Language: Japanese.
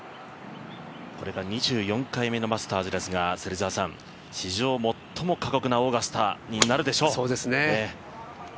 これが２４回目のマスターズですが、史上最も過酷なオーガスタになるでしょう。